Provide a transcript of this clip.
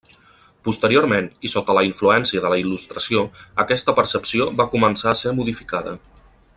Posteriorment, i sota la influència de la Il·lustració aquesta percepció va començar a ser modificada.